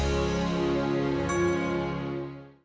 imam federalir dan mak shift datang